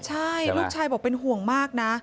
ใช่ลูกชายบอกเป็นห่วงมากนะ